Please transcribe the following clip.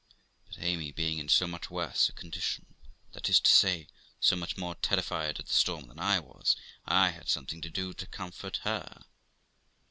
But Amy being in so much worse a condition that is to say, so much more terrified at the storm than I was I had something to do to comfort her.